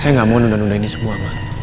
saya gak mau nunda nunda ini semua ma